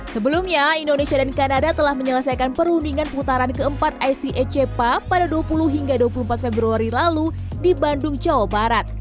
sebelumnya indonesia dan kanada telah menyelesaikan perundingan putaran keempat icecpa pada dua puluh hingga dua puluh empat februari lalu di bandung jawa barat